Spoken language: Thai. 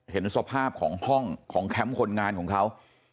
เห็นสภาพของห้องของแคมป์คนงานของเขา